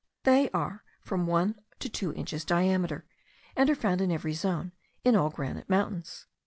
They are from one to two inches diameter; and are found in every zone, in all granite mountains.